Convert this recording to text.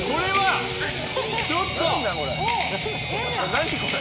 何これ。